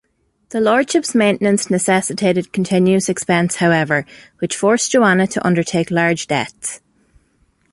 The lordship's maintenance necessitated continuous expense, however, which forced Joanna to undertake large debts.